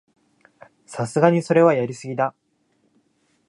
さすがにそれはやりすぎだ